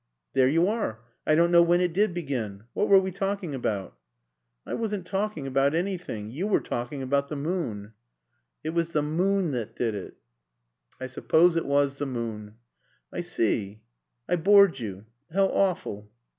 "There you are. I don't know when it did begin. What were we talking about?" "I wasn't talking about anything. You were talking about the moon." "It was the moon that did it." "I suppose it was the moon." "I see. I bored you. How awful."